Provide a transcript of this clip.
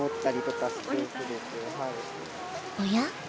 おや？